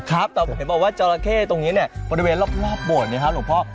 ครับแต่เห็นไหมว่าจอร์ละเข้ตรงนี้บริเวณรอบโบสถ์เนี่ยครับหลวงพ่อ